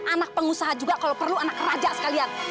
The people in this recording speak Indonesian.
anak pengusaha juga kalau perlu anak raja sekalian